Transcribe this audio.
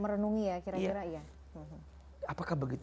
merenungi ya kira kira ya